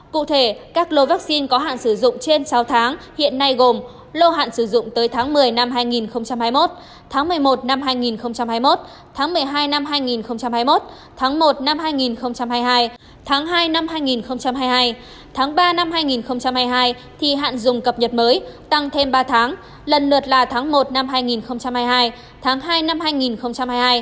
cụ thể các lô vaccine có hạn sử dụng trên sáu tháng hiện nay gồm lô hạn sử dụng tới tháng một mươi năm hai nghìn hai mươi một tháng một mươi một năm hai nghìn hai mươi một tháng một mươi hai năm hai nghìn hai mươi một tháng một năm hai nghìn hai mươi hai tháng hai năm hai nghìn hai mươi hai tháng ba năm hai nghìn hai mươi hai thì hạn dùng cập nhật mới tăng thêm ba tháng lần lượt là tháng một năm hai nghìn hai mươi hai tháng hai năm hai nghìn hai mươi hai